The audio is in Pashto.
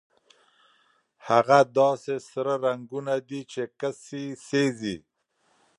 هغه داسې سره رنګونه دي چې کسي سېزي.